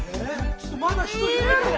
ちょっとまだ人いる。